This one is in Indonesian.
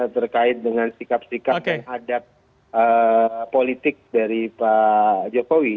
terkait dengan sikap sikap dan adat politik dari pak jokowi